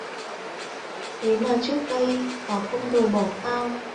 thế mà trước đây bảo không bỏ rơi tao